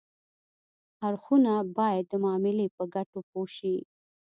اړخونه باید د معاملې په ګټو پوه شي